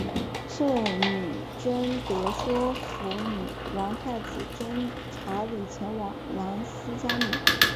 圣女贞德说服王太子查理前往兰斯加冕。